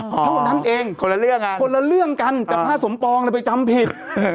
เท่านั้นเองคนละเรื่องอ่ะคนละเรื่องกันแต่พระสมปองไปจำผิด